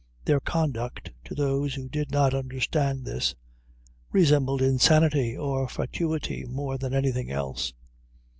Their conduct to those who did not understand this, resembled insanity or fatuity more than anything else.